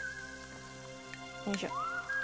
よいしょ。